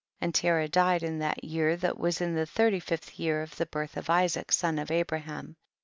33. And Terah died in that year, that is in the thirty fifth year of the birth of Isaac son of Abraham.